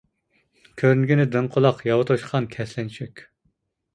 كۆرۈنگىنى دىڭ قۇلاق، ياۋا توشقان، كەسلەنچۈك.